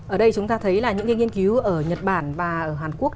ở đây chúng ta thấy là những nghiên cứu ở nhật bản và ở hàn quốc